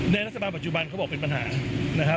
ในรัฐบาลปัจจุบันเขาบอกเป็นปัญหา